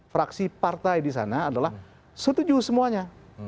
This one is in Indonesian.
fraksi partai disana adalah setuju semuanya